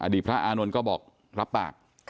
พระอานนท์ก็บอกรับปาก